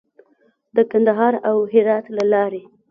د کندهار او هرات له لارې.